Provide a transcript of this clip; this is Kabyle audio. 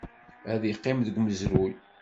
Ad yeqqim deg umezruy.